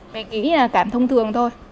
mình nghĩ là cảm thông thường thôi